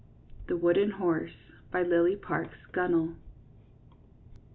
THE WOODEN HORSE. BY LILLIE PARKS GUNNELL.